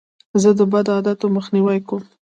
زه د بدو عادتو مخنیوی کوم.